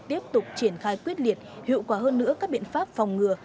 tiếp tục triển khai quyết liệt hiệu quả hơn nữa các biện pháp phòng ngừa